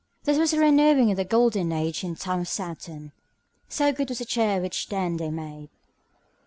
This was a renewing of the golden age in the time of Saturn, so good was the cheer which then they made.